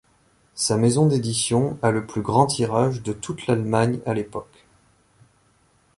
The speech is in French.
Sa maison d'édition a le plus grand tirage de toute l'Allemagne à l'époque.